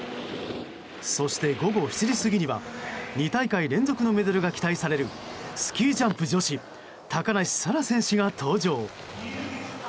そして午後７時過ぎには２大会連続のメダルが期待されるスキージャンプ女子高梨沙羅選手が登場。